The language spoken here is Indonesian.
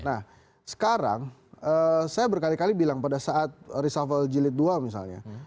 nah sekarang saya berkali kali bilang pada saat reshuffle jilid dua misalnya